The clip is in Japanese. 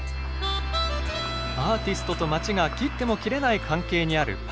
アーティストと街が切っても切れない関係にあるパリ。